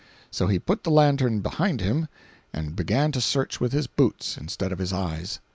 So he put the lantern behind him, and began to search with his boots instead of his eyes.